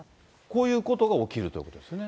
こういうことが起きるということですね。